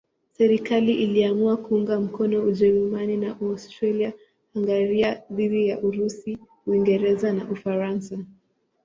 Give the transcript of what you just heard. Serikali iliamua kuunga mkono Ujerumani na Austria-Hungaria dhidi ya Urusi, Uingereza na Ufaransa.